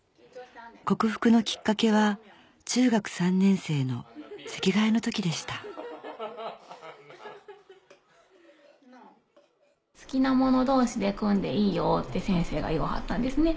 克服のきっかけは中学３年生の席替えの時でした好きな者同士で組んでいいよって先生が言わはったんですね。